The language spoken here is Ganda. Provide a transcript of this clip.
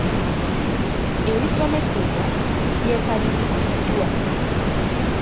Ebisomesebwa byekaliriziddwa.